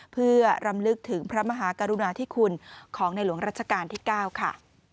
เพื่อรำลึกถึงพระมหากรุณาธิคุณของในหลวงรัชกาลที่๙ค่ะ